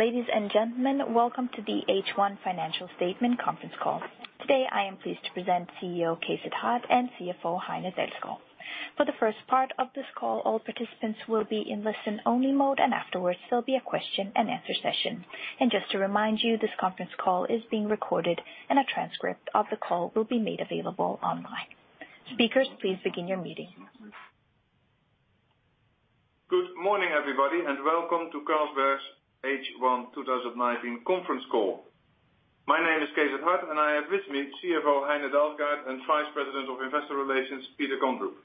Ladies and gentlemen, welcome to the H1 Financial Statement Conference Call. Today, I am pleased to present CEO Cees 't Hart and CFO Heine Dalsgaard. For the first part of this call, all participants will be in listen-only mode, and afterwards, there'll be a question and answer session. Just to remind you, this conference call is being recorded, and a transcript of the call will be made available online. Speakers, please begin your meeting. Good morning, everybody, welcome to Carlsberg's H1 2019 conference call. My name is Cees 't Hart, I have with me CFO Heine Dalsgaard and Vice President of Investor Relations, Peter Kondrup.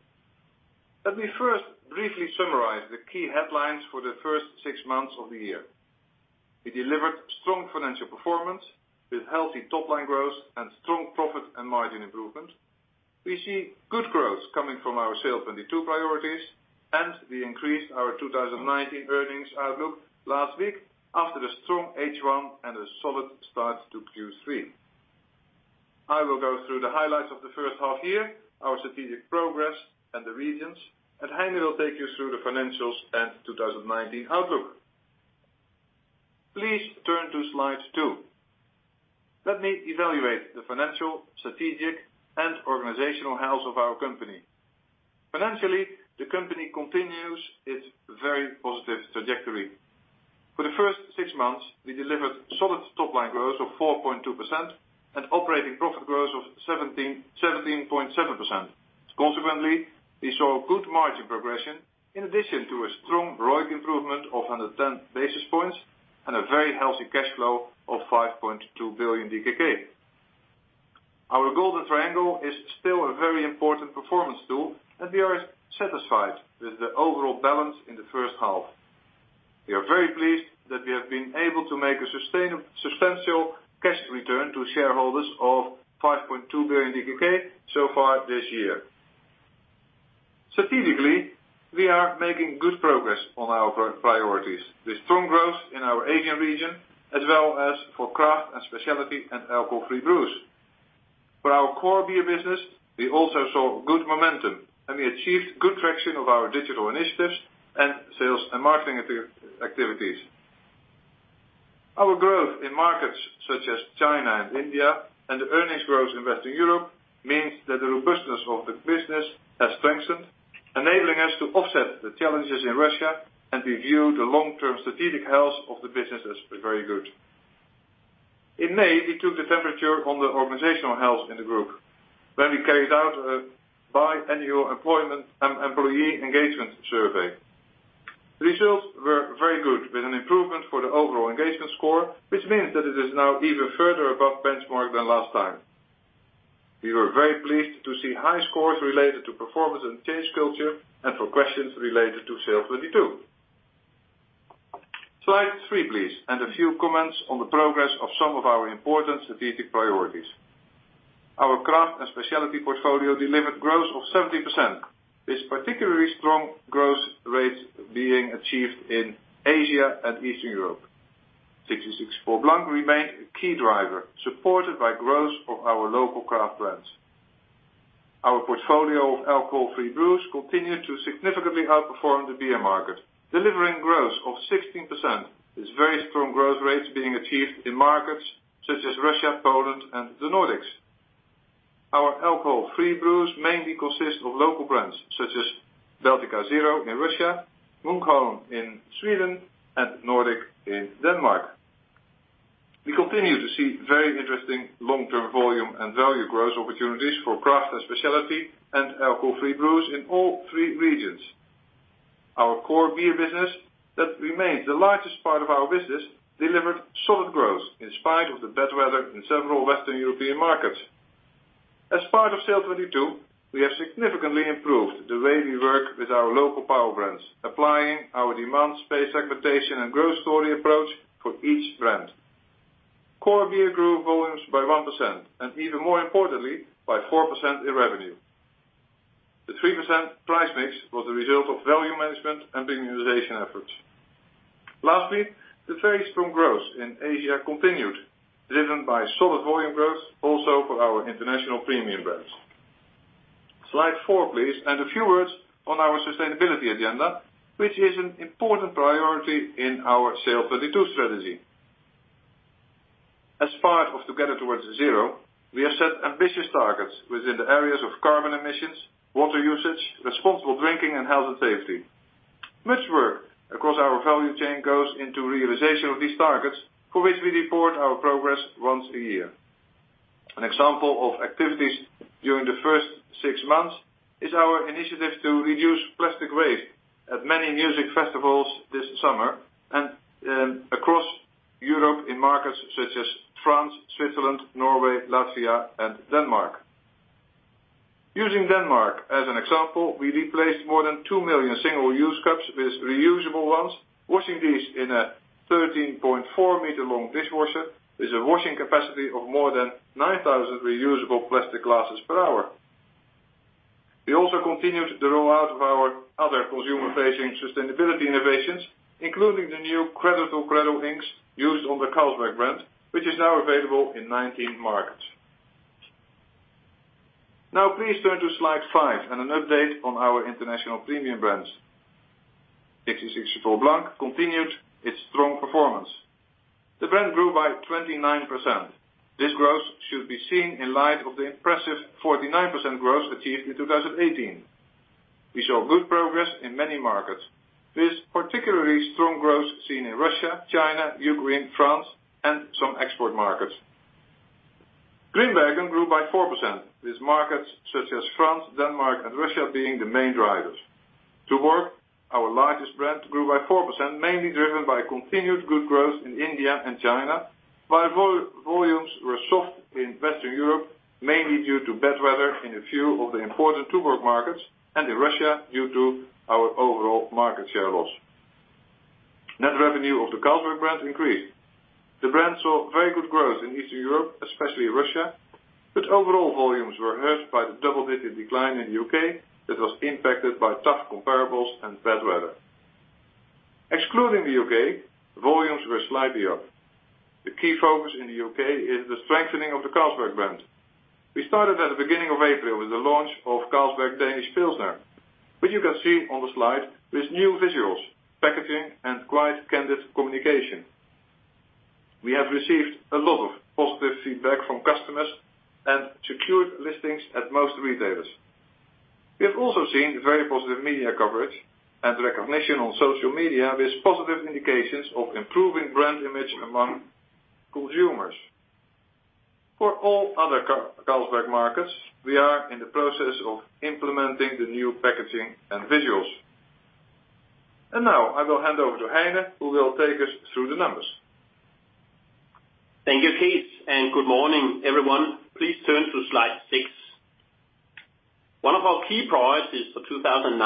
Let me first briefly summarize the key headlines for the first six months of the year. We delivered strong financial performance with healthy top-line growth and strong profit and margin improvement. We see good growth coming from our SAIL'22 priorities, and we increased our 2019 earnings outlook last week after a strong H1 and a solid start to Q3. I will go through the highlights of the first half year, our strategic progress in the regions, and Heine will take you through the financials and 2019 outlook. Please turn to slide two. Let me evaluate the financial, strategic, and organizational health of our company. Financially, the company continues its very positive trajectory. For the first six months, we delivered solid top-line growth of 4.2% and operating profit growth of 17.7%. Consequently, we saw good margin progression in addition to a strong ROIC improvement of 110 basis points and a very healthy cash flow of 5.2 billion DKK. Our golden triangle is still a very important performance tool, and we are satisfied with the overall balance in the first half. We are very pleased that we have been able to make a substantial cash return to shareholders of 5.2 billion DKK so far this year. Strategically, we are making good progress on our priorities with strong growth in our Asian region, as well as for craft and specialty and alcohol-free brews. For our core beer business, we also saw good momentum, and we achieved good traction of our digital initiatives and sales and marketing activities. Our growth in markets such as China and India and the earnings growth in Western Europe means that the robustness of the business has strengthened, enabling us to offset the challenges in Russia. We view the long-term strategic health of the business as very good. In May, we took the temperature on the organizational health in the group when we carried out a biannual employment and employee engagement survey. Results were very good with an improvement for the overall engagement score, which means that it is now even further above benchmark than last time. We were very pleased to see high scores related to performance and change culture and for questions related to SAIL'22. Slide three, please. A few comments on the progress of some of our important strategic priorities. Our craft and specialty portfolio delivered growth of 70%, this particularly strong growth rate being achieved in Asia and Eastern Europe. 1664 Blanc remained a key driver, supported by growth of our local craft brands. Our portfolio of alcohol-free brews continued to significantly outperform the beer market, delivering growth of 16%, this very strong growth rates being achieved in markets such as Russia, Poland, and the Nordics. Our alcohol-free brews mainly consist of local brands such as Baltika 0 in Russia, Munkholm in Sweden, and Nordic in Denmark. We continue to see very interesting long-term volume and value growth opportunities for craft and specialty and alcohol-free brews in all three regions. Our core beer business that remains the largest part of our business delivered solid growth in spite of the bad weather in several Western European markets. As part of SAIL'22, we have significantly improved the way we work with our local power brands, applying our demand space segmentation and growth story approach for each brand. Core beer grew volumes by 1% and even more importantly, by 4% in revenue. The 3% price mix was a result of value management and premiumization efforts. Lastly, the very strong growth in Asia continued, driven by solid volume growth also for our international premium brands. Slide four, please, and a few words on our sustainability agenda, which is an important priority in our SAIL'22 strategy. As part of Together Towards ZERO, we have set ambitious targets within the areas of carbon emissions, water usage, responsible drinking, and health and safety. Much work across our value chain goes into realization of these targets, for which we report our progress once a year. An example of activities during the first six months is our initiative to reduce plastic waste at many music festivals this summer and across Europe in markets such as France, Switzerland, Norway, Latvia, and Denmark. Using Denmark as an example, we replaced more than two million single-use cups with reusable ones, washing these in a 13.4-meter long dishwasher with a washing capacity of more than 9,000 reusable plastic glasses per hour. We also continued the rollout of our other consumer-facing sustainability innovations, including the new Cradle to Cradle inks used on the Carlsberg brand, which is now available in 19 markets. Please turn to slide five and an update on our international premium brands. 1664 Blanc continued its strong performance. The brand grew by 29%. This growth should be seen in light of the impressive 49% growth achieved in 2018. We saw good progress in many markets. With particularly strong growth seen in Russia, China, Ukraine, France, and some export markets. Grimbergen grew by 4%, with markets such as France, Denmark, and Russia being the main drivers. Tuborg, our largest brand, grew by 4%, mainly driven by continued good growth in India and China, while volumes were soft in Western Europe, mainly due to bad weather in a few of the important Tuborg markets, and in Russia, due to our overall market share loss. Net revenue of the Carlsberg brand increased. The brand saw very good growth in Eastern Europe, especially Russia, but overall volumes were hurt by the double-digit decline in the U.K. that was impacted by tough comparables and bad weather. Excluding the U.K., volumes were slightly up. The key focus in the U.K. is the strengthening of the Carlsberg brand. We started at the beginning of April with the launch of Carlsberg Danish Pilsner, which you can see on the slide with new visuals, packaging, and quite candid communication. We have received a lot of positive feedback from customers and secured listings at most retailers. We have also seen very positive media coverage and recognition on social media, with positive indications of improving brand image among consumers. For all other Carlsberg markets, we are in the process of implementing the new packaging and visuals. Now I will hand over to Heine, who will take us through the numbers. Thank you, Cees, and good morning, everyone. Please turn to slide six. One of our key priorities for 2019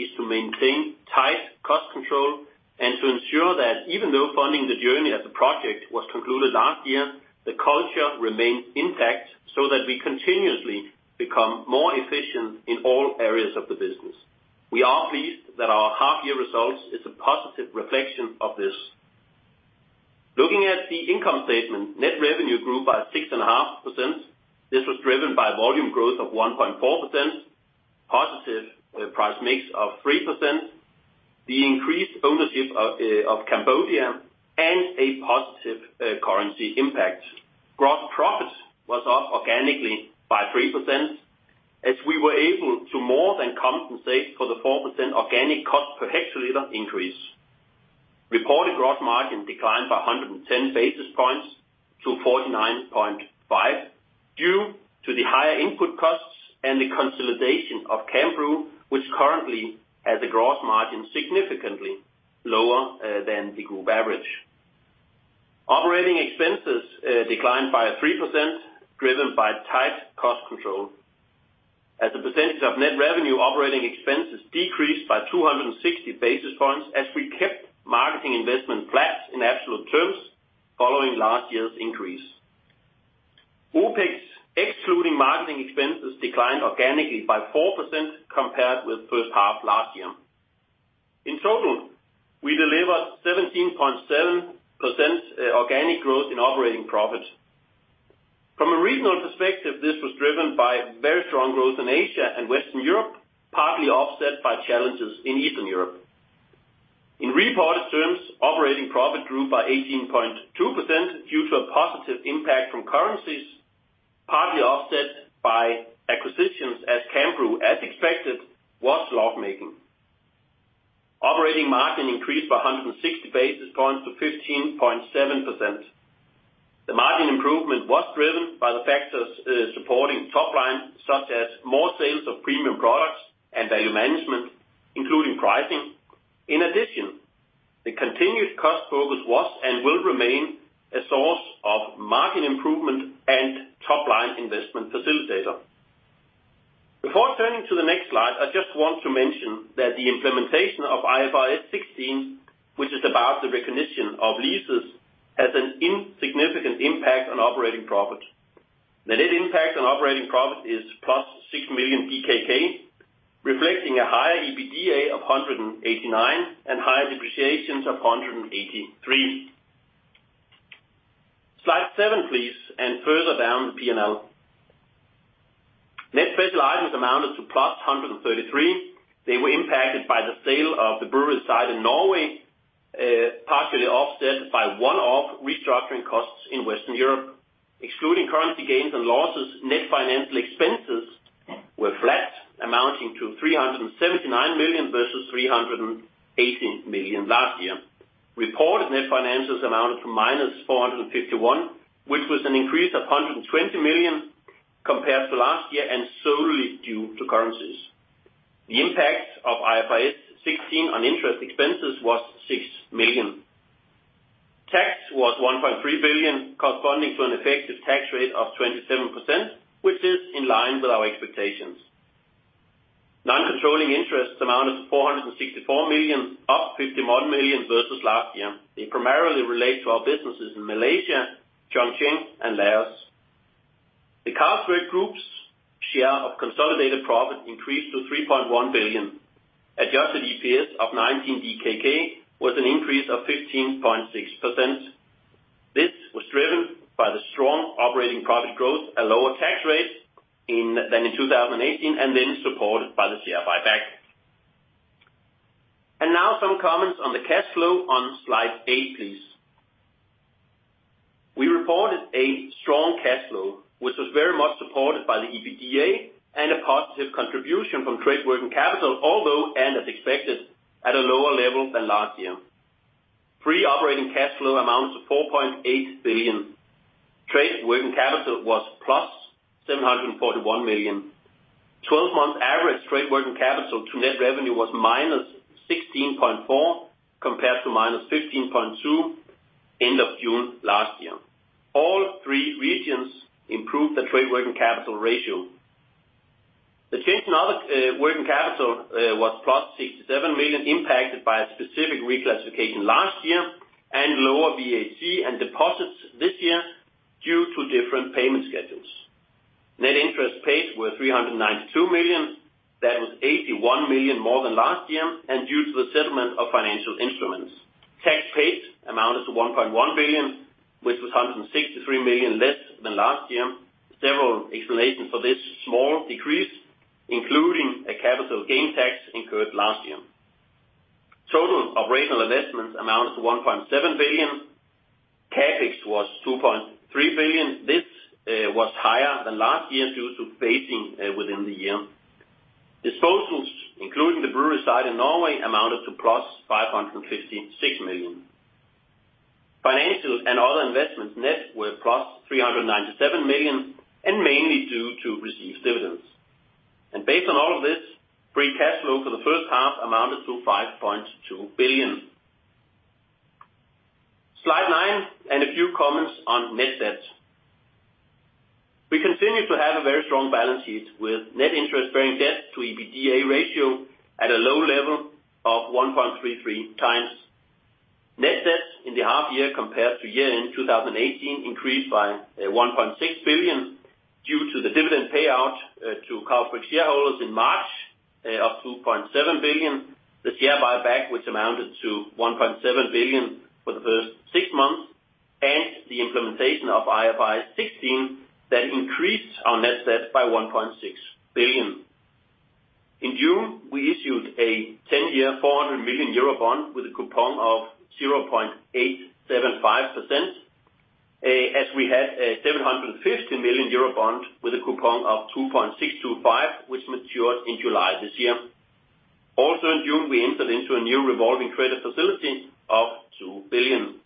is to maintain tight cost control and to ensure that even though Funding the Journey as a project was concluded last year, the culture remains intact so that we continuously become more efficient in all areas of the business. We are pleased that our half year results is a positive reflection of this. Looking at the income statement, net revenue grew by 6.5%. This was driven by volume growth of 1.4%, positive price mix of 3%, the increased ownership of Cambodia, and a positive currency impact. Gross profit was up organically by 3% as we were able to more than compensate for the 4% organic cost per hectoliter increase. Reported gross margin declined by 110 basis points to 49.5% due to the higher input costs and the consolidation of Cambrew, which currently has a gross margin significantly lower than the group average. Operating expenses declined by 3%, driven by tight cost control. As a percentage of net revenue, operating expenses decreased by 260 basis points as we kept marketing investment flat in absolute terms following last year's increase. OPEX, excluding marketing expenses, declined organically by 4% compared with first half last year. In total, we delivered 17.7% organic growth in operating profit. From a regional perspective, this was driven by very strong growth in Asia and Western Europe, partly offset by challenges in Eastern Europe. In reported terms, operating profit grew by 18.2% due to a positive impact from currencies, partly offset by acquisitions as Cambrew, as expected, was loss-making. Operating margin increased by 160 basis points to 15.7%. The margin improvement was driven by the factors supporting top line, such as more sales of premium products and value management, including pricing. In addition, the continued cost focus was and will remain a source of margin improvement and top-line investment facilitator. Before turning to the next slide, I just want to mention that the implementation of IFRS 16, which is about the recognition of leases, has an insignificant impact on operating profit. The net impact on operating profit is +6 million, reflecting a higher EBITDA of 189 and higher depreciations of 183. Slide seven, please, and further down the P&L. Net special items amounted to +133. They were impacted by the sale of the brewery site in Norway, partially offset by one-off restructuring costs in Western Europe. Excluding currency gains and losses, net financial expenses were flat, amounting to 379 million versus 318 million last year. Reported net financials amounted to -451, which was an increase of 120 million compared to last year and solely due to currencies. The impact of IFRS 16 on interest expenses was 6 million. Tax was 1.3 billion, corresponding to an effective tax rate of 27%, which is in line with our expectations. Non-controlling interests amounted to 464 million, up 51 million versus last year. They primarily relate to our businesses in Malaysia, Chongqing, and Laos. The Carlsberg Group's share of consolidated profit increased to 3.1 billion. Adjusted EPS of 19 DKK was an increase of 15.6%. This was driven by the strong operating profit growth, a lower tax rate than in 2018, and then supported by the share buyback. Now some comments on the cash flow on slide eight, please. We reported a strong cash flow, which was very much supported by the EBITDA and a positive contribution from trade working capital, although, as expected, at a lower level than last year. Free operating cash flow amounts to 4.8 billion. Trade working capital was plus 741 million. 12 months average trade working capital to net revenue was -16.4% compared to -15.2% end of June last year. All three regions improved their trade working capital ratio. The change in working capital was plus 67 million impacted by a specific reclassification last year and lower VAT and deposits this year due to different payment schedules. Net interest paid were 392 million. That was 81 million more than last year due to the settlement of financial instruments. Tax paid amounted to 1.1 billion, which was 163 million less than last year. Several explanations for this small decrease, including a capital gain tax incurred last year. Total operational investments amounted to 1.7 billion. CapEx was 2.3 billion. This was higher than last year due to phasing within the year. Disposals, including the brewery site in Norway, amounted to plus 556 million. Financial and other investments net were plus 397 million and mainly due to received dividends. Based on all of this, free cash flow for the first half amounted to 5.2 billion. Slide nine and a few comments on net debt. We continue to have a very strong balance sheet with net interest-bearing debt to EBITDA ratio at a low level of 1.33 times. Net debt in the half year compared to year-end 2018 increased by 1.6 billion due to the dividend payout to Carlsberg shareholders in March of 2.7 billion, the share buyback, which amounted to 1.7 billion for the first six months, and the implementation of IFRS 16 that increased our net debt by 1.6 billion. In June, we issued a 10-year, 400 million euro bond with a coupon of 0.875%, as we had a 750 million euro bond with a coupon of 2.625%, which matured in July this year. Also in June, we entered into a new revolving credit facility of 2 billion.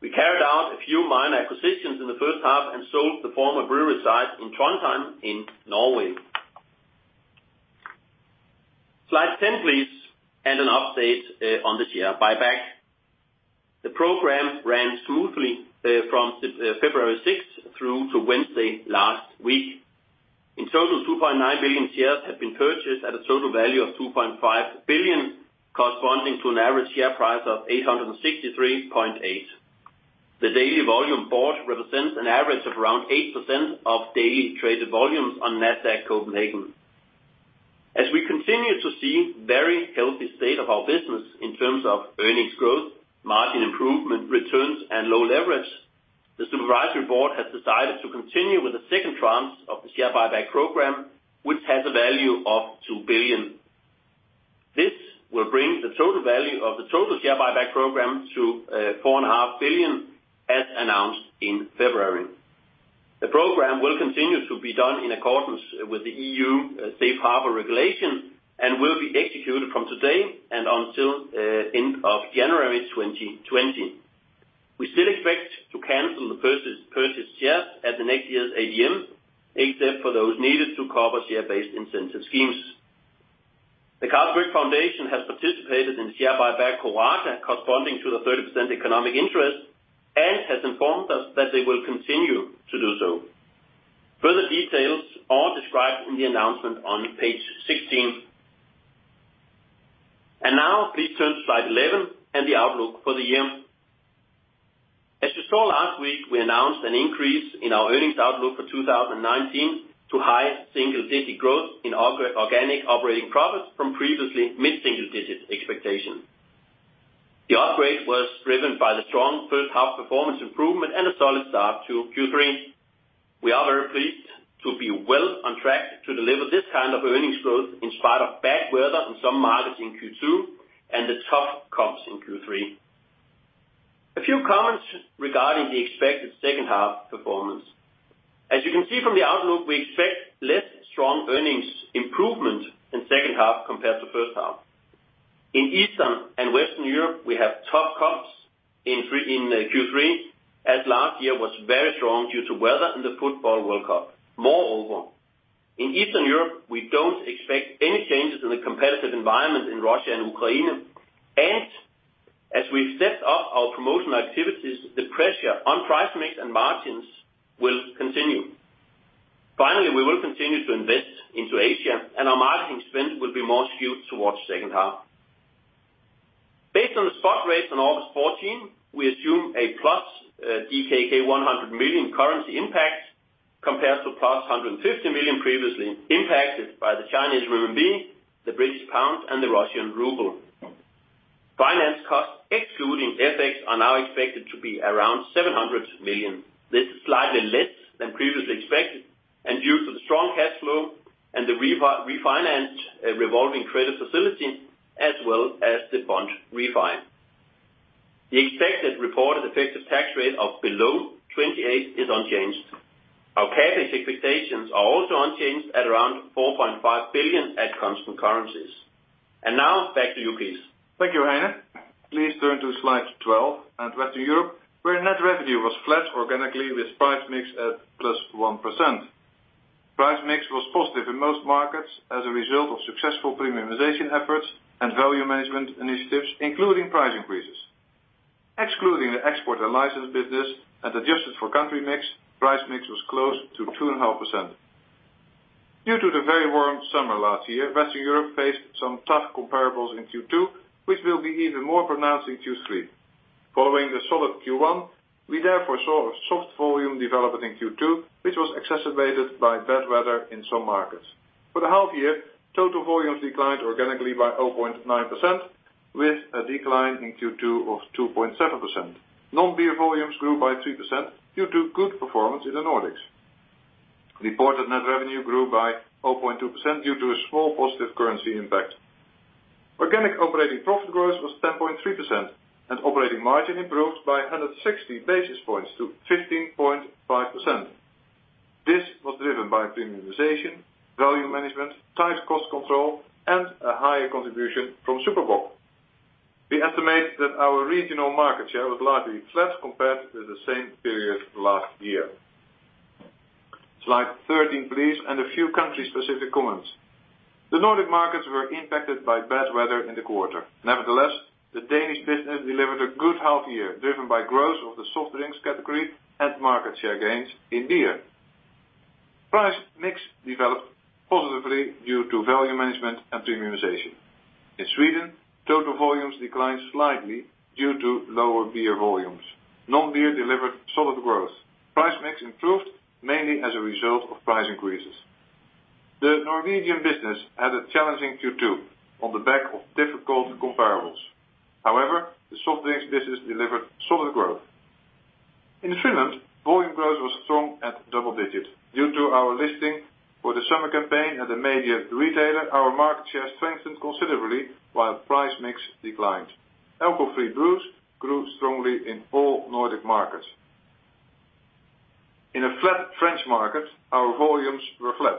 We carried out a few minor acquisitions in the first half and sold the former brewery site in Trondheim in Norway. Slide 10, please, and an update on the share buyback. The program ran smoothly from February 6th through to Wednesday last week. In total, 2.9 billion shares have been purchased at a total value of 2.5 billion, corresponding to an average share price of 863.8. The daily volume bought represents an average of around 8% of daily traded volumes on Nasdaq Copenhagen. As we continue to see very healthy state of our business in terms of earnings growth, margin improvement, returns, and low leverage, the supervisory board has decided to continue with the second tranche of the share buyback program, which has a value of 2 billion. This will bring the total value of the total share buyback program to 4.5 billion as announced in February. The program will continue to be done in accordance with the EU Safe Harbor regulation and will be executed from today and until end of January 2020. We still expect to cancel the purchased shares at the next year's AGM, except for those needed to cover share-based incentive schemes. The Carlsberg Foundation has participated in the share buyback program corresponding to the 30% economic interest and has informed us that they will continue to do so. Further details are described in the announcement on page 16. Now please turn to slide 11 and the outlook for the year. As you saw last week, we announced an increase in our earnings outlook for 2019 to high single-digit growth in organic operating profit from previously mid-single-digit expectation. The upgrade was driven by the strong first half performance improvement and a solid start to Q3. We are very pleased to be well on track to deliver this kind of earnings growth in spite of bad weather in some markets in Q2 and the tough comps in Q3. A few comments regarding the expected second half performance. As you can see from the outlook, we expect less strong earnings improvement in second half compared to first half. In Eastern and Western Europe, we have tough comps in Q3, as last year was very strong due to weather and the football World Cup. Moreover, in Eastern Europe, we don't expect any changes in the competitive environment in Russia and Ukraine, and as we've set up our promotional activities, the pressure on price mix and margins will continue. Finally, we will continue to invest into Asia, and our marketing spend will be more skewed towards second half. Based on the spot rates on August 14, we assume a plus DKK 100 million currency impact. Compared to plus 150 million previously impacted by the Chinese renminbi, the British pound, and the Russian ruble. Finance costs excluding FX are now expected to be around 700 million. This is slightly less than previously expected, due to the strong cash flow and the refinanced revolving credit facility as well as the bond refi. The expected reported effective tax rate of below 28% is unchanged. Our CapEx expectations are also unchanged at around 4.5 billion at constant currencies. Now back to you, Cees. Thank you, Heine. Please turn to slide 12 at Western Europe, where net revenue was flat organically with price mix at +1%. Price mix was positive in most markets as a result of successful premiumization efforts and value management initiatives, including price increases. Excluding the export and license business and adjusted for country mix, price mix was close to 2.5%. Due to the very warm summer last year, Western Europe faced some tough comparables in Q2, which will be even more pronounced in Q3. Following a solid Q1, we therefore saw a soft volume development in Q2, which was exacerbated by bad weather in some markets. For the half year, total volumes declined organically by 0.9% with a decline in Q2 of 2.7%. Non-beer volumes grew by 3% due to good performance in the Nordics. Reported net revenue grew by 0.2% due to a small positive currency impact. Organic operating profit growth was 10.3% and operating margin improved by 160 basis points to 15.5%. This was driven by premiumization, value management, tight cost control, and a higher contribution from Super Bock. We estimate that our regional market share was largely flat compared to the same period last year. Slide 13, please, and a few country-specific comments. The Nordic markets were impacted by bad weather in the quarter. Nevertheless, the Danish business delivered a good half year, driven by growth of the soft drinks category and market share gains in beer. Price mix developed positively due to volume management and premiumization. In Sweden, total volumes declined slightly due to lower beer volumes. Non-beer delivered solid growth. Price mix improved mainly as a result of price increases. The Norwegian business had a challenging Q2 on the back of difficult comparables. However, the soft drinks business delivered solid growth. In Finland, volume growth was strong at double-digits. Due to our listing for the summer campaign and the major retailer, our market share strengthened considerably while price mix declined. Alcohol-free brews grew strongly in all Nordic markets. In a flat French market, our volumes were flat.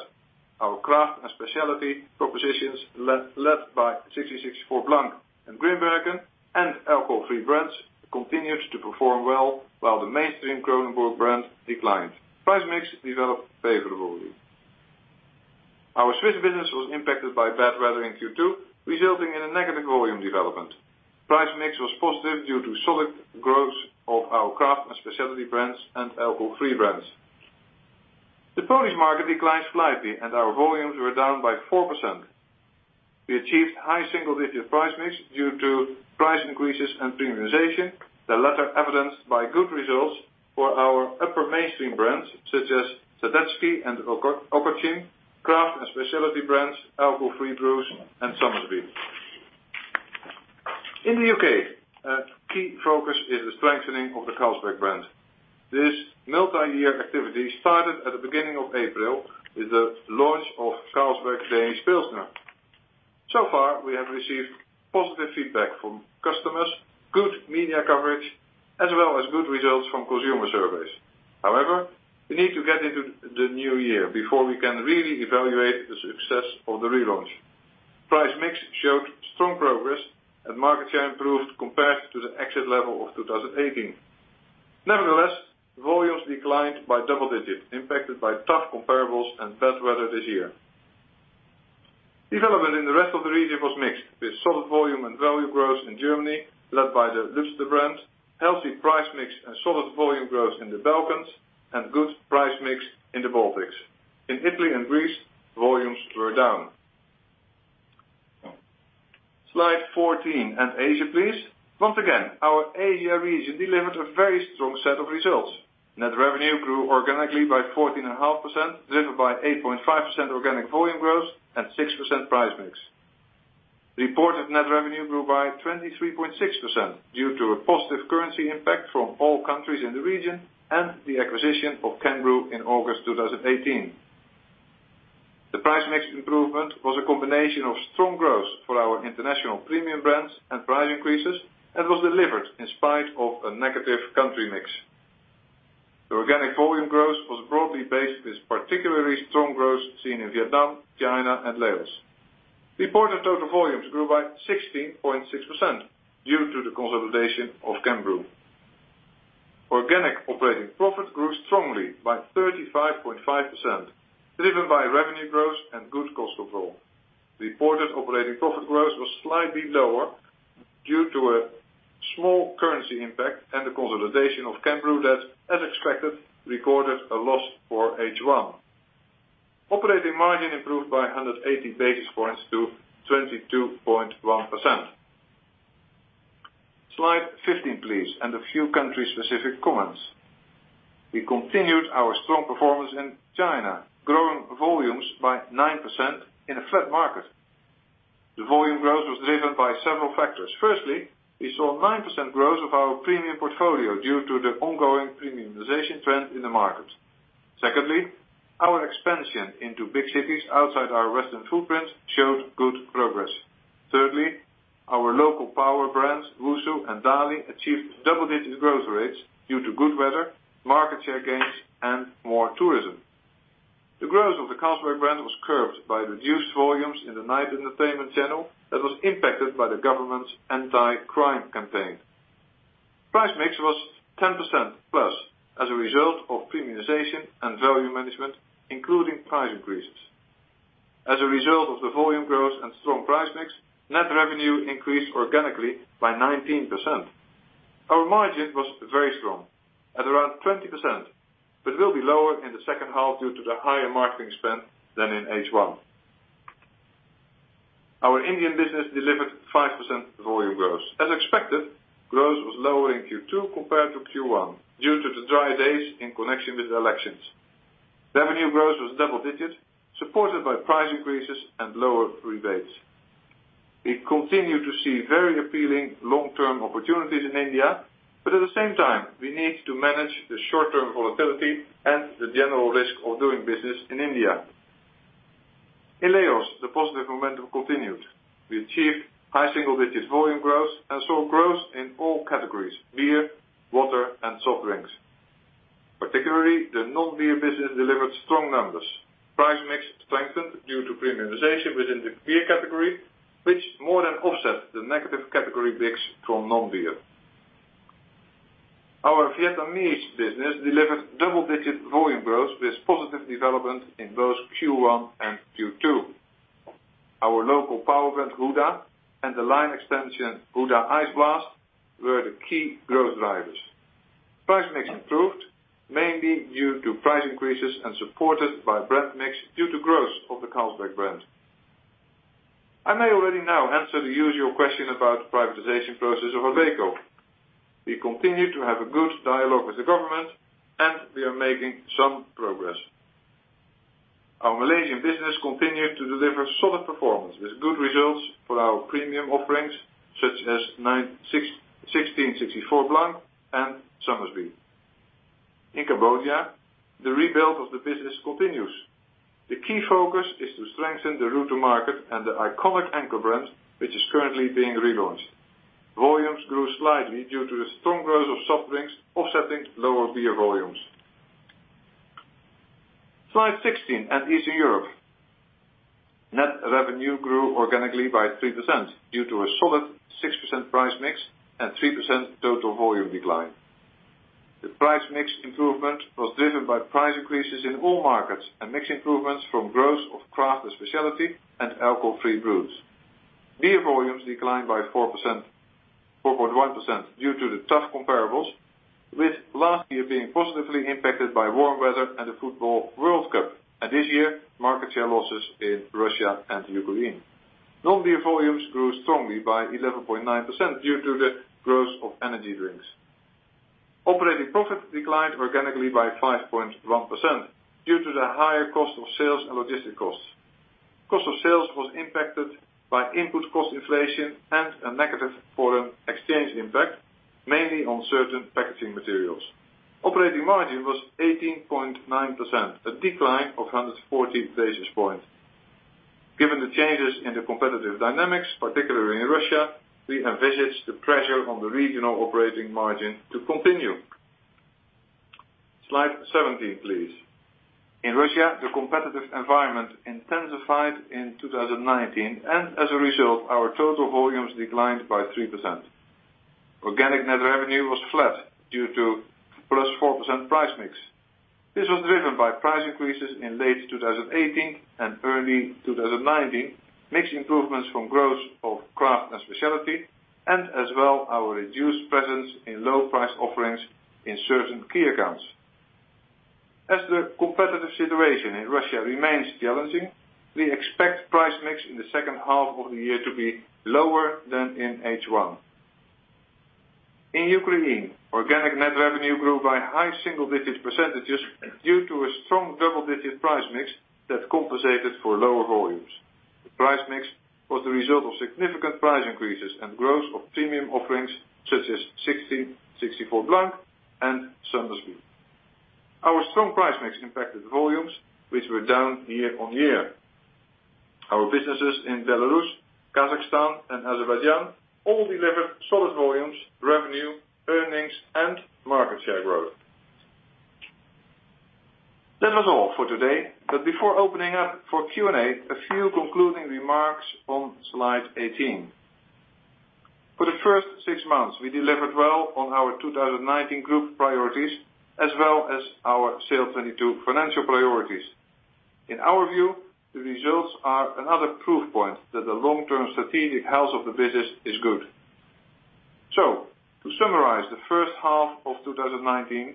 Our craft and specialty propositions, led by 1664 Blanc and Grimbergen and alcohol-free brands, continued to perform well while the mainstream Kronenbourg brand declined. Price mix developed favorably. Our Swiss business was impacted by bad weather in Q2, resulting in a negative volume development. Price mix was positive due to solid growth of our craft and specialty brands and alcohol-free brands. The Polish market declined slightly, and our volumes were down by 4%. We achieved high single-digit price mix due to price increases and premiumization, the latter evidenced by good results for our upper mainstream brands such as Tyskie and Okocim, craft and specialty brands, alcohol-free brews, and summer beer. In the U.K., a key focus is the strengthening of the Carlsberg brand. This multi-year activity started at the beginning of April with the launch of Carlsberg Danish Pilsner. So far, we have received positive feedback from customers, good media coverage, as well as good results from consumer surveys. However, we need to get into the new year before we can really evaluate the success of the relaunch. Price mix showed strong progress and market share improved compared to the exit level of 2018. Nevertheless, volumes declined by double digits, impacted by tough comparables and bad weather this year. Development in the rest of the region was mixed, with solid volume and value growth in Germany, led by the Lübzer brand, healthy price mix, and solid volume growth in the Balkans, and good price mix in the Baltics. In Italy and Greece, volumes were down. Slide 14 and Asia, please. Once again, our Asia region delivered a very strong set of results. Net revenue grew organically by 14.5%, driven by 8.5% organic volume growth and 6% price mix. Reported net revenue grew by 23.6% due to a positive currency impact from all countries in the region and the acquisition of Cambrew in August 2018. The price mix improvement was a combination of strong growth for our international premium brands and price increases, and was delivered in spite of a negative country mix. The organic volume growth was broadly based with particularly strong growth seen in Vietnam, China, and Laos. Reported total volumes grew by 16.6% due to the consolidation of Cambrew. Organic operating profit grew strongly by 35.5%, driven by revenue growth and good cost control. Reported operating profit growth was slightly lower due to a small currency impact and the consolidation of Cambrew that, as expected, recorded a loss for H1. Operating margin improved by 180 basis points to 22.1%. Slide 15, please, and a few country-specific comments. We continued our strong performance in China, growing volumes by 9% in a flat market. The volume growth was driven by several factors. Firstly, we saw 9% growth of our premium portfolio due to the ongoing premiumization trend in the market. Secondly, our expansion into big cities outside our western footprint showed good progress. Thirdly, our local power brands, Wusu and Dali, achieved double-digit growth rates due to good weather, market share gains, and more tourism. The growth of the Carlsberg brand was curbed by reduced volumes in the night entertainment channel that was impacted by the government's anti-crime campaign. Price mix was 10% plus as a result of premiumization and volume management, including price increases. As a result of the volume growth and strong price mix, net revenue increased organically by 19%. Our margin was very strong at around 20%, but will be lower in the second half due to the higher marketing spend than in H1. Our Indian business delivered 5% volume growth. As expected, growth was lower in Q2 compared to Q1 due to the dry days in connection with elections. Revenue growth was double digits, supported by price increases and lower rebates. We continue to see very appealing long-term opportunities in India. At the same time, we need to manage the short-term volatility and the general risk of doing business in India. In Laos, the positive momentum continued. We achieved high single-digit volume growth and saw growth in all categories, beer, water, and soft drinks. Particularly, the non-beer business delivered strong numbers. Price mix strengthened due to premiumization within the beer category, which more than offset the negative category mix from non-beer. Our Vietnamese business delivered double-digit volume growth with positive development in both Q1 and Q2. Our local power brand, Huda, and the line extension Huda Ice Blast were the key growth drivers. Price mix improved, mainly due to price increases and supported by brand mix due to growth of the Carlsberg brand. I may already now answer the usual question about privatization process of Habeco. We continue to have a good dialogue with the government, and we are making some progress. Our Malaysian business continued to deliver solid performance with good results for our premium offerings such as 1664 Blanc and Somersby. In Cambodia, the rebuild of the business continues. The key focus is to strengthen the route to market and the iconic Anchor brand, which is currently being relaunched. Volumes grew slightly due to the strong growth of soft drinks offsetting lower beer volumes. Slide 16 at Eastern Europe. Net revenue grew organically by 3% due to a solid 6% price mix and 3% total volume decline. The price mix improvement was driven by price increases in all markets and mix improvements from growth of craft and specialty and alcohol-free brews. Beer volumes declined by 4.1% due to the tough comparables, with last year being positively impacted by warm weather and the Football World Cup, and this year, market share losses in Russia and Ukraine. Non-beer volumes grew strongly by 11.9% due to the growth of energy drinks. Operating profit declined organically by 5.1% due to the higher cost of sales and logistic costs. Cost of sales was impacted by input cost inflation and a negative foreign exchange impact, mainly on certain packaging materials. Operating margin was 18.9%, a decline of 140 basis points. Given the changes in the competitive dynamics, particularly in Russia, we envisage the pressure on the regional operating margin to continue. Slide 17, please. In Russia, the competitive environment intensified in 2019, and as a result, our total volumes declined by 3%. Organic net revenue was flat due to plus 4% price mix. This was driven by price increases in late 2018 and early 2019, mix improvements from growth of craft and specialty, and as well our reduced presence in low price offerings in certain key accounts. As the competitive situation in Russia remains challenging, we expect price mix in the second half of the year to be lower than in H1. In Ukraine, organic net revenue grew by high single-digit percentages due to a strong double-digit price mix that compensated for lower volumes. The price mix was the result of significant price increases and growth of premium offerings such as 1664 Blanc and Somersby. Our strong price mix impacted volumes, which were down year on year. Our businesses in Belarus, Kazakhstan, and Azerbaijan all delivered solid volumes, revenue, earnings, and market share growth. That was all for today. Before opening up for Q&A, a few concluding remarks on slide 18. For the first 6 months, we delivered well on our 2019 group priorities as well as our SAIL'22 financial priorities. In our view, the results are another proof point that the long-term strategic health of the business is good. To summarize the first half of 2019.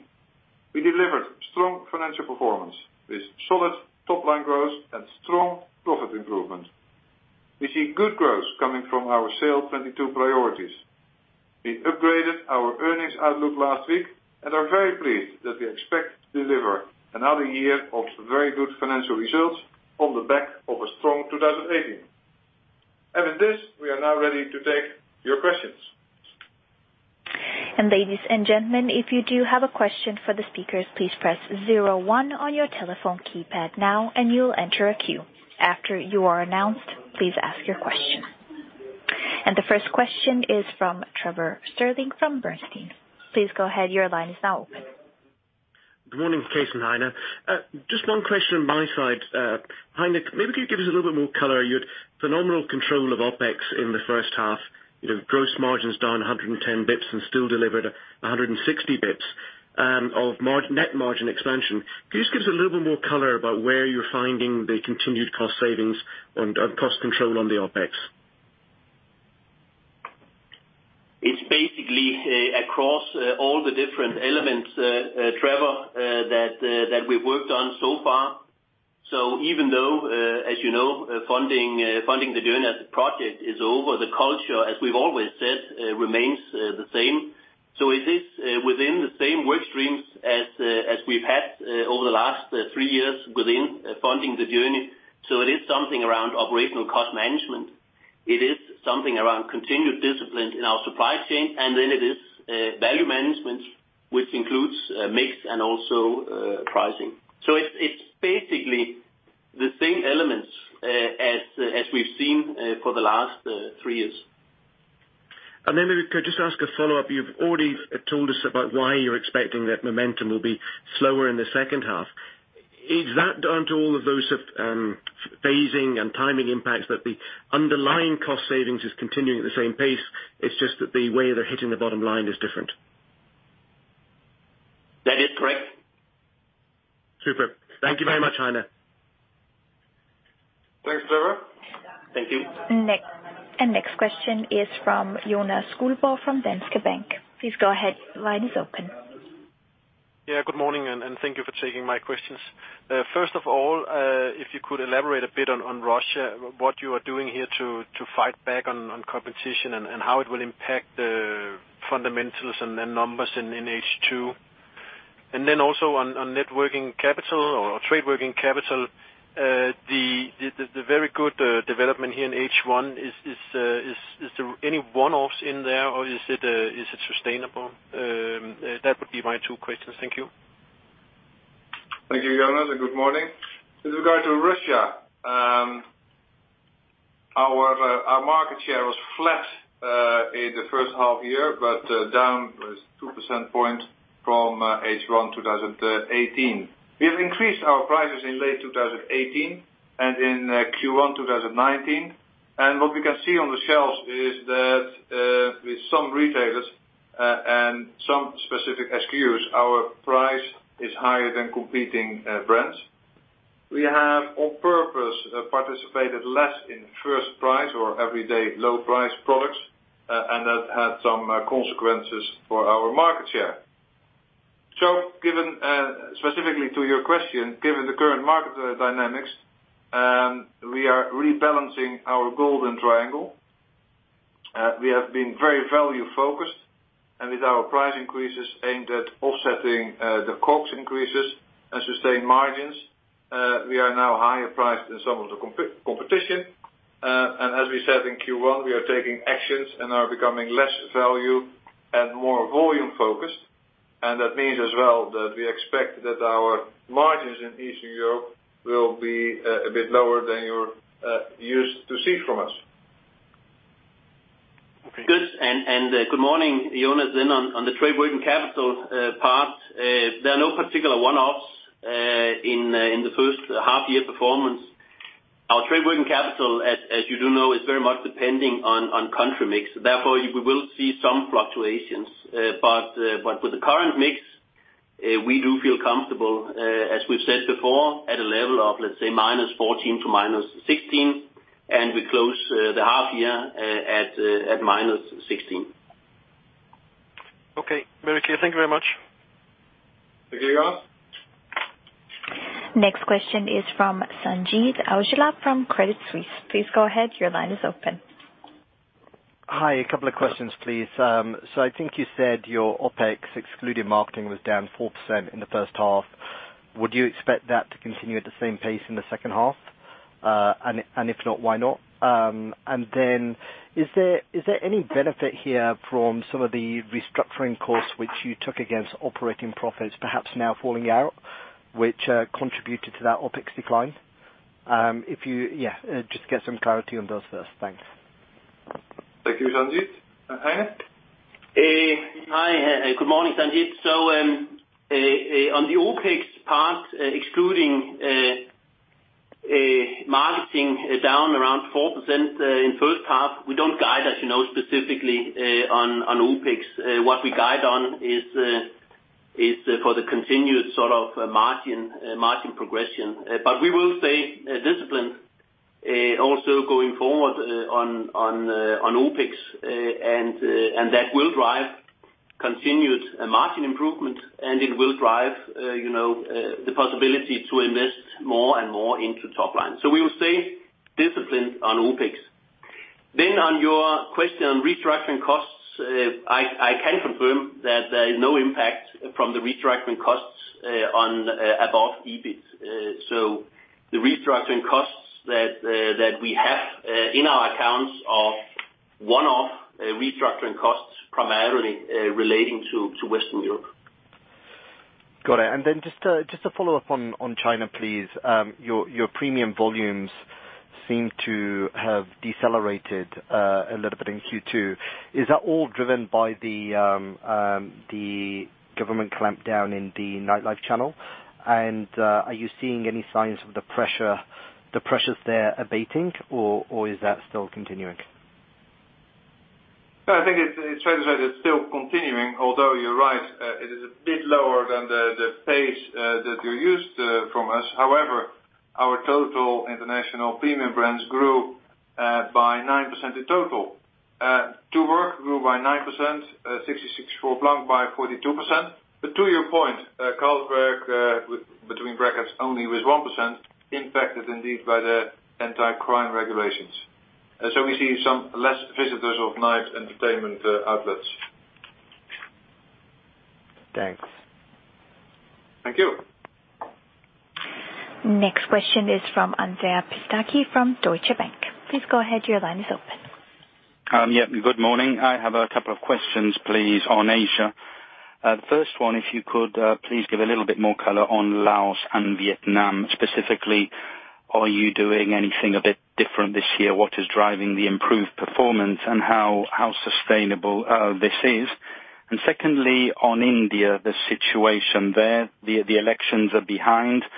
We delivered strong financial performance with solid top-line growth and strong profit improvement. We see good growth coming from our SAIL'22 priorities. We upgraded our earnings outlook last week and are very pleased that we expect to deliver another year of very good financial results on the back of a strong 2018. With this, we are now ready to take your questions. Ladies and gentlemen, if you do have a question for the speakers, please press 01 on your telephone keypad now, and you'll enter a queue. After you are announced, please ask your question. The first question is from Trevor Stirling from Bernstein. Please go ahead. Your line is now open. Good morning, Cees and Heine. Just one question on my side. Heine, maybe can you give us a little bit more color? You had phenomenal control of OpEx in the first half. Gross margins down 110 basis points and still delivered 160 basis points of net margin expansion. Can you just give us a little bit more color about where you're finding the continued cost savings and cost control on the OpEx? It's basically across all the different elements, Trevor, that we've worked on so far. Even though, as you know Funding the Journey project is over, the culture, as we've always said, remains the same. It is within the same work streams as we've had over the last three years within Funding the Journey. It is something around operational cost management. It is something around continued discipline in our supply chain, and then it is value management, which includes mix and also pricing. It's basically the same elements, as we've seen for the last three years. Maybe could I just ask a follow-up? You've already told us about why you're expecting that momentum will be slower in the second half. Is that down to all of those phasing and timing impacts that the underlying cost savings is continuing at the same pace, it's just that the way they're hitting the bottom line is different? That is correct. Superb. Thank you very much, Heine. Thanks, Trevor. Thank you. Next question is from Jonas Skuldbøl from Danske Bank. Please go ahead. Line is open. Yeah, good morning, and thank you for taking my questions. First of all, if you could elaborate a bit on Russia, what you are doing here to fight back on competition and how it will impact the fundamentals and the numbers in H2. Also on net working capital or trade working capital. The very good development here in H1, is there any one-offs in there, or is it sustainable? That would be my two questions. Thank you. Thank you, Jonas, and good morning. With regard to Russia, our market share was flat in the first half year, but down 2% point from H1 2018. We have increased our prices in late 2018 and in Q1 2019. What we can see on the shelves is that with some retailers, and some specific SKUs, our price is higher than competing brands. We have on purpose participated less in first price or everyday low price products, and that had some consequences for our market share. Specifically to your question, given the current market dynamics, we are rebalancing our golden triangle. We have been very value-focused and with our price increases aimed at offsetting the COGS increases and sustained margins, we are now higher priced than some of the competition. As we said in Q1, we are taking actions and are becoming less value and more volume-focused. That means as well that we expect that our margins in Eastern Europe will be a bit lower than you're used to see from us. Okay. Good morning, Jonas. On the trade working capital part, there are no particular one-offs in the first half year performance. Our trade working capital, as you do know, is very much depending on country mix, therefore, we will see some fluctuations. With the current mix, we do feel comfortable, as we've said before, at a level of, let's say, -14 to -16, and we close the half year at -16. Okay. Very clear. Thank you very much. Thank you, Jonas. Next question is from Sanjeet Aujla from Credit Suisse. Please go ahead. Your line is open. Hi, a couple of questions, please. I think you said your OpEx excluding marketing was down 4% in the first half. Would you expect that to continue at the same pace in the second half? If not, why not? Is there any benefit here from some of the restructuring costs which you took against operating profits perhaps now falling out, which contributed to that OpEx decline? Yeah, just to get some clarity on those first. Thanks. Thank you, Sanjeet. Heine? Hi. Good morning, Sanjeet. On the OpEx part, excluding marketing down around 4% in first half, we don't guide, as you know, specifically on OpEx. We will say discipline also going forward on OpEx, and that will drive continued margin improvement, and it will drive the possibility to invest more and more into top line. We will stay disciplined on OpEx. On your question on restructuring costs, I can confirm that there is no impact from the restructuring costs above EBIT. The restructuring costs that we have in our accounts are one-off restructuring costs, primarily relating to Western Europe. Got it. Just a follow-up on China, please. Your premium volumes seem to have decelerated a little bit in Q2. Is that all driven by the government clampdown in the nightlife channel? Are you seeing any signs of the pressures there abating, or is that still continuing? No, I think it's fair to say that it's still continuing, although you're right, it is a bit lower than the pace that you're used from us. However, our total international premium brands grew by 9% in total. Tuborg grew by 9%, 1664 Blanc by 42%. To your point, Carlsberg, between brackets, only with 1%, impacted indeed by the anti-crime regulations. We see some less visitors of night entertainment outlets. Thanks. Thank you. Next question is from Andrea Pistacchi from Deutsche Bank. Please go ahead, your line is open. Yeah, good morning. I have a couple of questions, please, on Asia. The first one, if you could please give a little bit more color on Laos and Vietnam. Specifically, are you doing anything a bit different this year? What is driving the improved performance, and how sustainable this is? Secondly, on India, the situation there, the elections are behind, but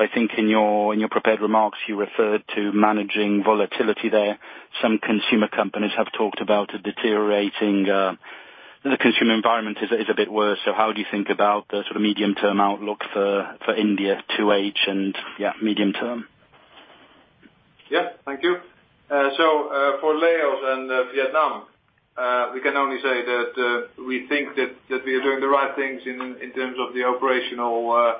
I think in your prepared remarks, you referred to managing volatility there. Some consumer companies have talked about a deteriorating consumer environment is a bit worse. How do you think about the medium-term outlook for India 2H and medium term? Yeah. Thank you. For Laos and Vietnam, we can only say that we think that we are doing the right things in terms of the operational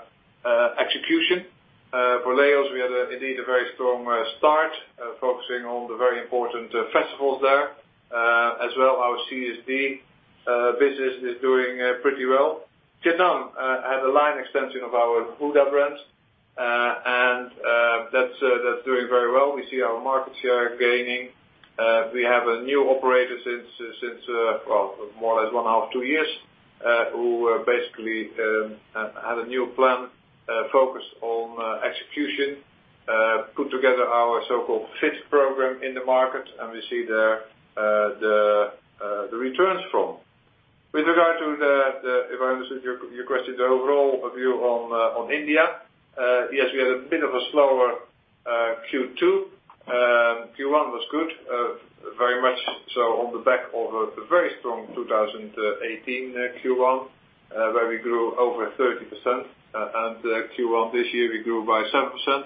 execution. For Laos, we had indeed a very strong start, focusing on the very important festivals there. As well, our CSD business is doing pretty well. Vietnam had a line extension of our Huda brand, and that's doing very well. We see our market share gaining. We have a new operator since, well, more or less one and a half, two years, who basically had a new plan focused on execution, put together our so-called FIT program in the market, and we see the returns from. With regard to the, if I understood your question, the overall view on India, yes, we had a bit of a slower Q2. Q1 was good, very much so on the back of a very strong 2018 Q1, where we grew over 30%. Q1 this year, we grew by 7%.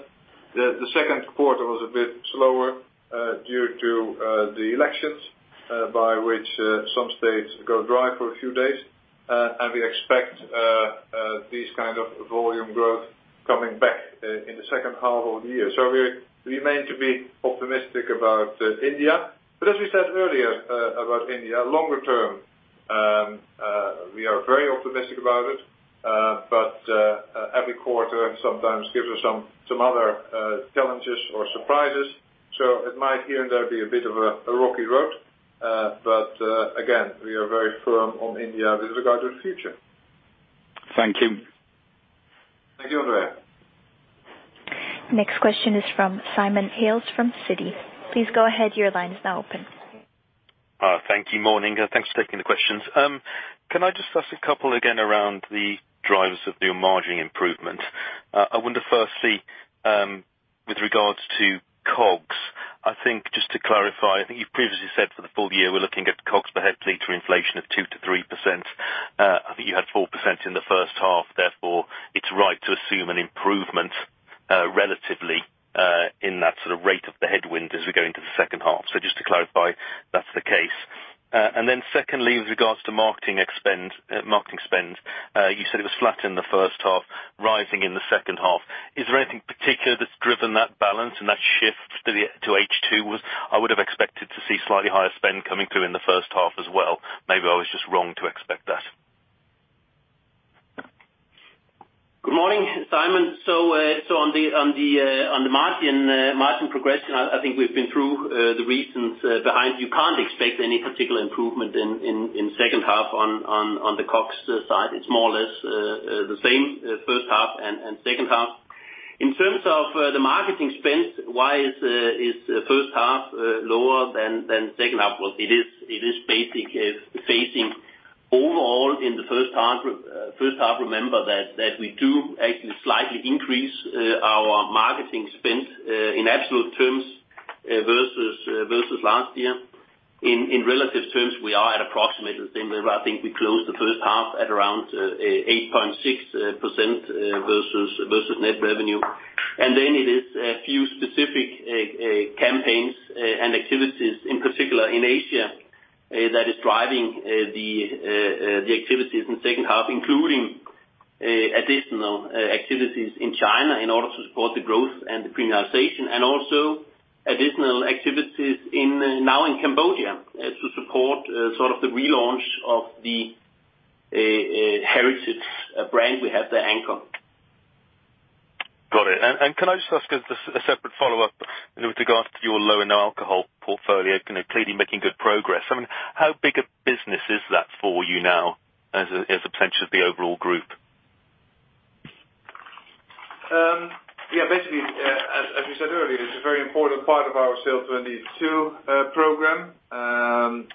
The second quarter was a bit slower due to the elections, by which some states go dry for a few days. We expect this kind of volume growth coming back in the second half of the year. We remain to be optimistic about India. As we said earlier about India, longer term, we are very optimistic about it, but every quarter sometimes gives us some other challenges or surprises. It might here and there be a bit of a rocky road. Again, we are very firm on India with regard to the future. Thank you. Thank you, Andrea. Next question is from Simon Hales from Citi. Please go ahead, your line is now open. Thank you. Morning, thanks for taking the questions. Can I just ask a couple again around the drivers of your margin improvement? I wonder, firstly, with regards to COGS, I think just to clarify, I think you've previously said for the full year, we're looking at COGS per hectoliter inflation of 2%-3%. I think you had 4% in the first half, therefore, it's right to assume an improvement relatively in that rate of the headwind as we go into the second half. Just to clarify, that's the case. Secondly, with regards to marketing spend, you said it was flat in the first half, rising in the second half. Is there anything particular that's driven that balance and that shift to H2? I would have expected to see slightly higher spend coming through in the first half as well. Maybe I was just wrong to expect that. Good morning, Simon. On the margin progression, I think we've been through the reasons behind. You can't expect any particular improvement in second half on the COGS side. It's more or less the same first half and second half. In terms of the marketing spend, why is first half lower than second half? Well, it is basic facing overall in the first half. Remember that we do actually slightly increase our marketing spend in absolute terms versus last year. In relative terms, we are at approximately the same level. I think we closed the first half at around 8.6% versus net revenue. It is a few specific campaigns and activities, in particular in Asia, that is driving the activities in the second half, including additional activities in China in order to support the growth and the premiumization, and also additional activities now in Cambodia to support the relaunch of the heritage brand we have there, Anchor. Got it. Can I just ask a separate follow-up with regard to your low and alcohol portfolio, clearly making good progress. How big a business is that for you now as a potential of the overall group? Yeah, basically, as you said earlier, it's a very important part of our SAIL'22 program.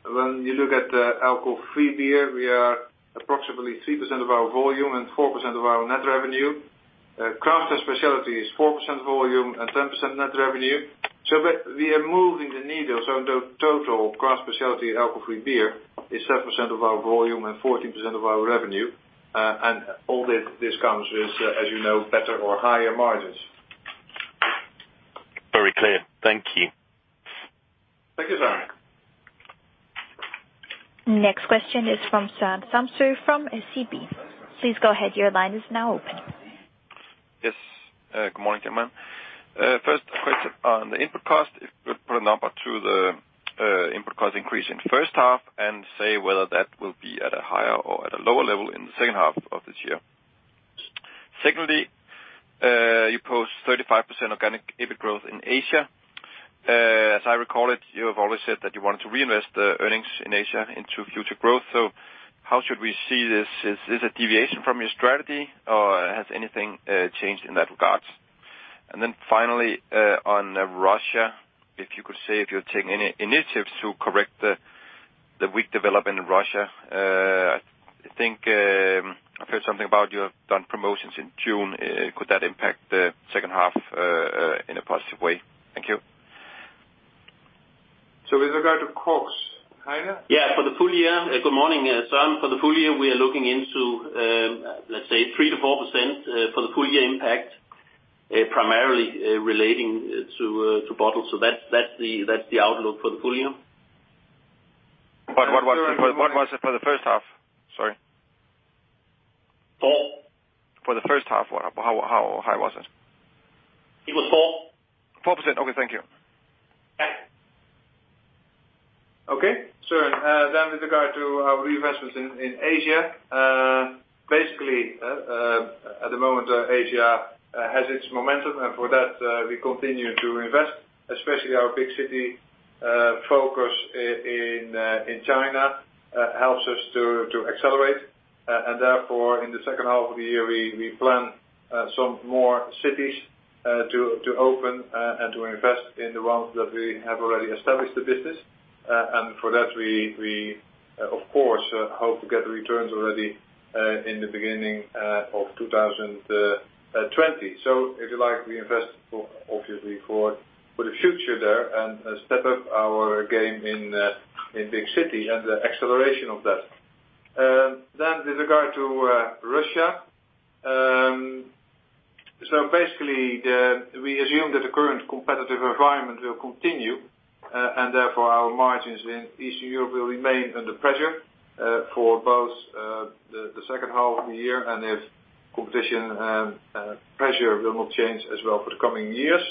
When you look at alcohol-free beer, we are approximately 3% of our volume and 4% of our net revenue. Craft and specialty is 4% volume and 10% net revenue. We are moving the needle. The total craft, specialty, and alcohol-free beer is 7% of our volume and 14% of our revenue. All this comes with, as you know, better or higher margins. Very clear. Thank you. Thank you, Simon. Next question is from Søren Samsøe from SEB. Please go ahead. Your line is now open. Yes. Good morning, gentlemen. First question on the input cost, if you could put a number to the input cost increase in the first half and say whether that will be at a higher or at a lower level in the second half of this year. Secondly, you post 35% organic EBIT growth in Asia. As I recall it, you have always said that you wanted to reinvest the earnings in Asia into future growth. How should we see this? Is this a deviation from your strategy, or has anything changed in that regard? Finally, on Russia, if you could say if you're taking any initiatives to correct the weak development in Russia. I think I've heard something about you have done promotions in June. Could that impact the second half in a positive way? Thank you. With regard to costs, Heine? Good morning, Søren. For the full year, we are looking into, let's say 3%-4% for the full year impact, primarily relating to bottles. That's the outlook for the full year. What was it for the first half? Sorry. Four. For the first half, how high was it? It was four. 4%. Okay, thank you. Yeah. Okay. Søren, then with regard to our reinvestments in Asia, basically, at the moment, Asia has its momentum, and for that, we continue to invest, especially our big city focus in China helps us to accelerate. Therefore, in the second half of the year, we plan some more cities to open and to invest in the ones that we have already established the business. For that, we of course, hope to get the returns already in the beginning of 2020. If you like, we invest obviously for the future there and step up our game in big cities and the acceleration of that. With regard to Russia, we assume that the current competitive environment will continue, and therefore our margins in Eastern Europe will remain under pressure for both the second half of the year and if competition pressure will not change as well for the coming years.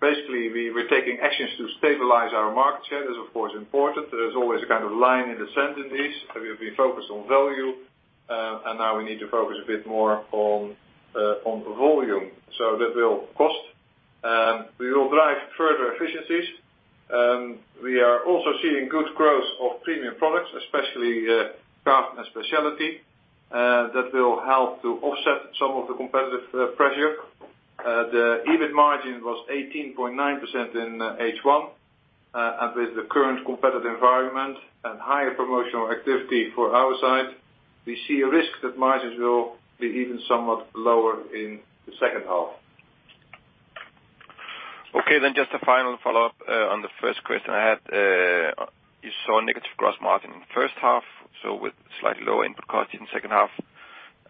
We're taking actions to stabilize our market share. That is, of course, important. There's always a kind of line in the sand in this. We focus on value, and now we need to focus a bit more on volume. That will cost. We will drive further efficiencies. We are also seeing good growth of premium products, especially craft and specialty, that will help to offset some of the competitive pressure. The EBIT margin was 18.9% in H1. With the current competitive environment and higher promotional activity for our side, we see a risk that margins will be even somewhat lower in the second half. Okay, then just a final follow-up on the first question I had. You saw a negative gross margin in the first half, so with slightly lower input costs in the second half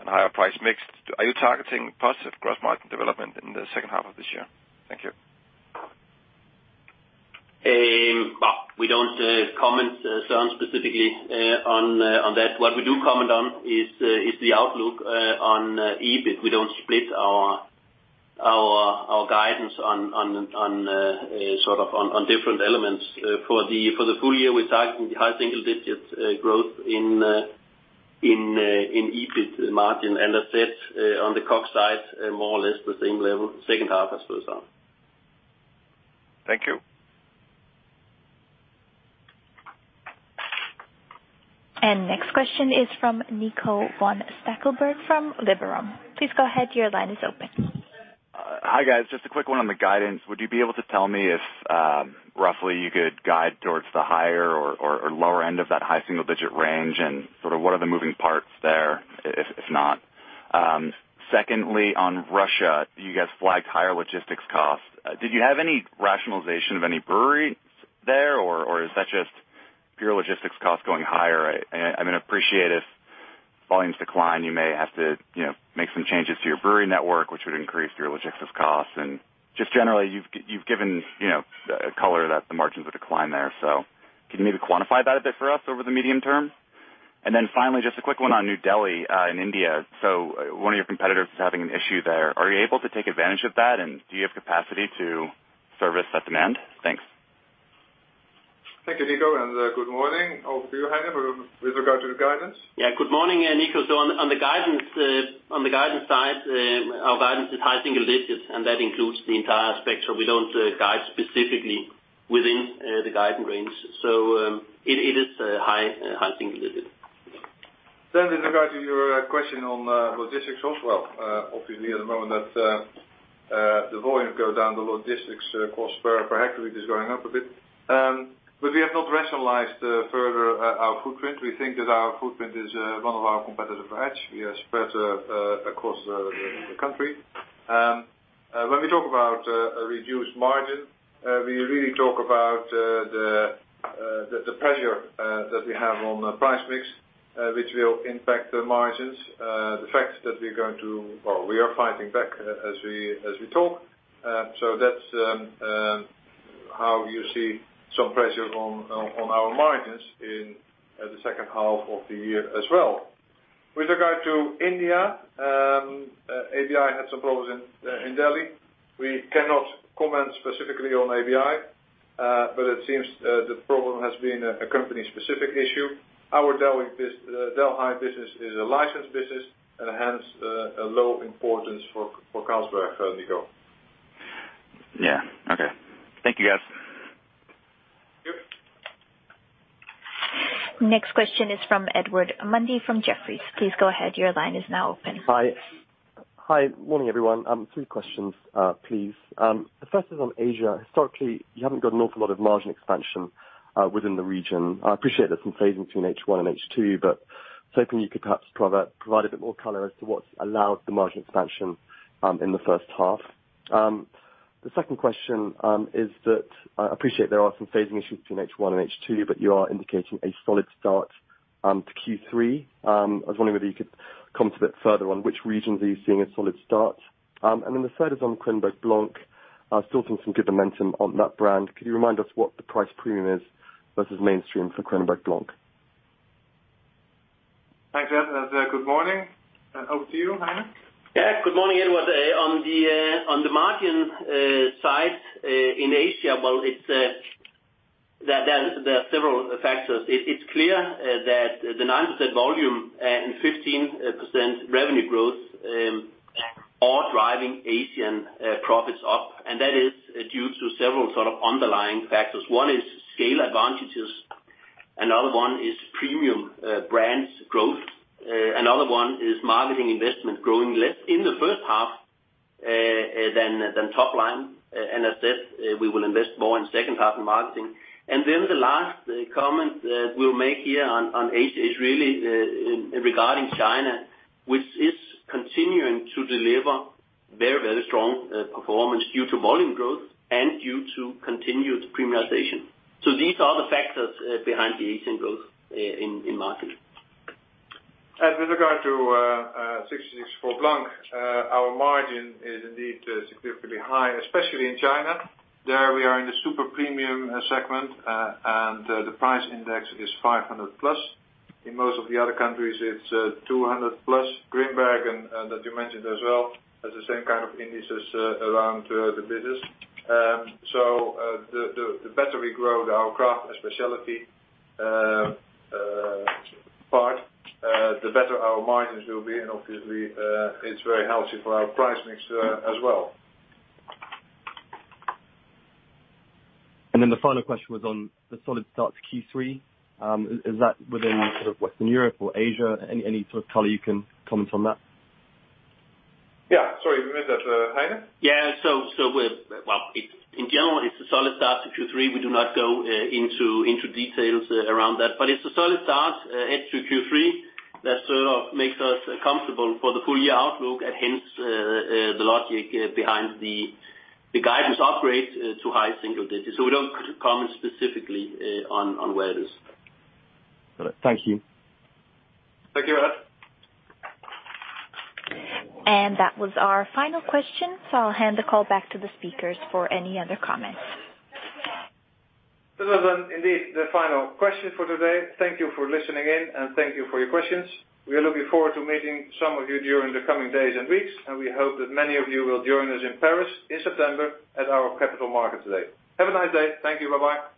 and higher price mix, are you targeting positive gross margin development in the second half of this year? Thank you. We don't comment, Søren, specifically on that. What we do comment on is the outlook on EBIT. We don't split our guidance on different elements. For the full year, we're targeting high single-digit growth in EBIT margin, that's it on the COGS side, more or less the same level second half I suppose, Søren. Thank you. Next question is from Nico von Stackelberg from Liberum. Please go ahead. Your line is open. Hi, guys. Just a quick one on the guidance. Would you be able to tell me if roughly you could guide towards the higher or lower end of that high single-digit range, and what are the moving parts there, if not? Secondly, on Russia, you guys flagged higher logistics costs. Did you have any rationalization of any brewery there, or is that just pure logistics costs going higher? I appreciate if volumes decline, you may have to make some changes to your brewery network, which would increase your logistics costs. Just generally, you've given color that the margins would decline there. Can you maybe quantify that a bit for us over the medium term? Finally, just a quick one on New Delhi in India. One of your competitors is having an issue there. Are you able to take advantage of that, and do you have capacity to service that demand? Thanks. Thank you, Nico. Good morning. Over to you, Heine, with regard to the guidance. Yeah, good morning, Nico. On the guidance side, our guidance is high single digits, and that includes the entire spectrum. We don't guide specifically within the guidance range. It is high single digits. With regard to your question on logistics as well, obviously at the moment that the volume goes down, the logistics cost per hectoliter is going up a bit. We have not rationalized further our footprint. We think that our footprint is one of our competitive edge. We are spread across the country. When we talk about a reduced margin, we really talk about the pressure that we have on price mix, which will impact the margins. The fact that we are fighting back as we talk. That's how you see some pressure on our margins in the second half of the year as well. With regard to India, ABI had some problems in Delhi. We cannot comment specifically on ABI, but it seems the problem has been a company-specific issue. Our Delhi business is a licensed business and hence a low importance for Carlsberg going forward. Yeah. Okay. Thank you, guys. Yep. Next question is from Ed Mundy from Jefferies. Please go ahead. Your line is now open. Hi. Morning, everyone. Three questions, please. The first is on Asia. Historically, you haven't got an awful lot of margin expansion within the region. I appreciate there's some phasing between H1 and H2, was hoping you could perhaps provide a bit more color as to what's allowed the margin expansion in the first half. The second question is that I appreciate there are some phasing issues between H1 and H2, you are indicating a solid start to Q3. I was wondering whether you could comment a bit further on which regions are you seeing a solid start. The third is on Kronenbourg Blanc. Still seeing some good momentum on that brand. Could you remind us what the price premium is versus mainstream for Kronenbourg Blanc? Thanks, Ed, and good morning. Over to you, Heine. Good morning, Ed. On the margin side in Asia, well, there are several factors. It's clear that the 9% volume and 15% revenue growth are driving Asian profits up, that is due to several sort of underlying factors. One is scale advantages. Another one is premium brands growth. Another one is marketing investment growing less in the first half than top line. As said, we will invest more in the second half in marketing. The last comment that we'll make here on Asia is really regarding China, which is continuing to deliver very strong performance due to volume growth and due to continued premiumization. These are the factors behind the Asian growth in marketing. With regard to 1664 Blanc, our margin is indeed significantly high, especially in China. There we are in the super premium segment, and the price index is 500 plus. In most of the other countries, it is 200 plus. Kronenbourg, that you mentioned as well, has the same kind of indices around the business. The better we grow our craft and specialty part, the better our margins will be, and obviously, it is very healthy for our price mix as well. Then the final question was on the solid start to Q3. Is that within Western Europe or Asia? Any sort of color you can comment on that? Yeah, sorry, who is that? Heine? Yeah. In general, it's a solid start to Q3. We do not go into details around that, but it's a solid start H2, Q3 that sort of makes us comfortable for the full year outlook and hence the logic behind the guidance upgrade to high single digits. We don't comment specifically on where it is. Got it. Thank you. Thank you, Ed. That was our final question. I'll hand the call back to the speakers for any other comments. This was indeed the final question for today. Thank you for listening in, and thank you for your questions. We are looking forward to meeting some of you during the coming days and weeks, and we hope that many of you will join us in Paris in September at our Capital Markets Day. Have a nice day. Thank you. Bye-bye.